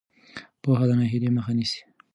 پوهه د ناهیلۍ مخه نیسي.